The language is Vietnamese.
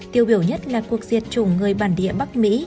tiêu biểu nhất là cuộc diệt chủng người bản địa bắc mỹ